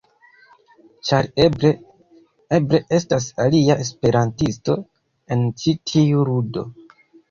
Ĉar eble... eble estas alia esperantisto en ĉi tiu ludo.